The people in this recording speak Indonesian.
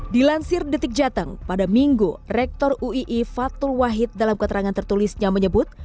dilansir detik jateng pada minggu rektor uii fatul wahid dalam keterangan tertulisnya menyebut